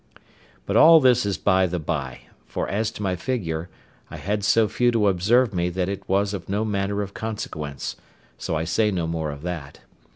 But all this is by the bye; for as to my figure, I had so few to observe me that it was of no manner of consequence, so I say no more of that.